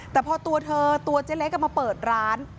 แต่พอตัวเธอตัวเจ็ดเล็กอำมาตย์มาเปิดร้าน